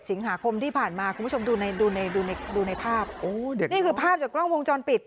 สิงหาคมที่ผ่านมาคุณผู้ชมดูในดูในดูในดูในภาพโอ้เดี๋ยวนี่คือภาพจากกล้องวงจรปิด